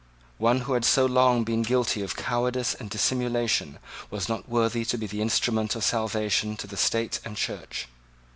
One who had so long been guilty of cowardice and dissimulation was not worthy to be the instrument of salvation to the State and Church.